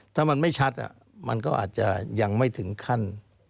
ถ้ามันไม่ชัดมันก็อาจจะยังไม่ถึงขั้น